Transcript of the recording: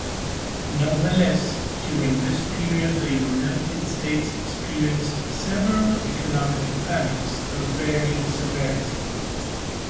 Nonetheless, during this period the United States experienced several economic panics of varying severity.